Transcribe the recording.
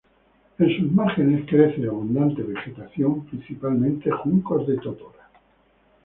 En sus márgenes crece abundante vegetación, principalmente juncos de totora.